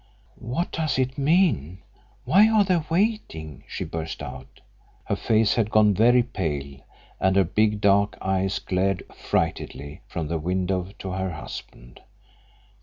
"What does it mean? Why are they waiting?" she burst out. Her face had gone very pale, and her big dark eyes glared affrightedly from the window to her husband.